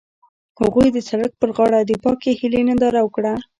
هغوی د سړک پر غاړه د پاک هیلې ننداره وکړه.